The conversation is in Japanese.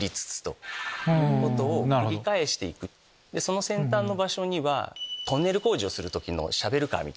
その先端の場所にはトンネル工事をする時のショベルカーみたいな。